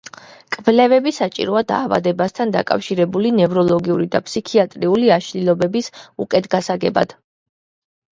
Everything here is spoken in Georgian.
კვლევები საჭიროა დაავადებასთან დაკავშირებული ნევროლოგიური და ფსიქიატრიული აშლილობების უკეთ გასაგებად.